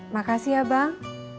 makasih ya bang